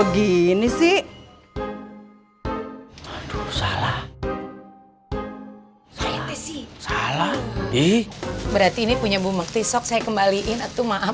gini sih waduh salah santai sih salah diperhati ini punya bumukti sok saya kembalikan toping maaf